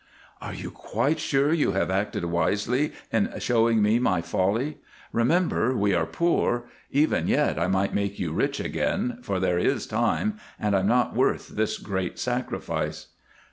'" "Are you quite sure you have acted wisely in showing me my folly? Remember we are poor. Even yet I might make you rich again, for there is time, and I'm not worth this great sacrifice."